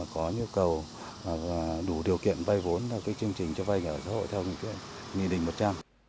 có nhu cầu đủ điều kiện vay vốn theo chương trình cho vay nhà ở xã hội theo nghị định một trăm linh